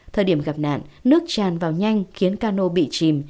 thời điểm gặp nạn nước tràn vào nhanh khiến cano bị chìm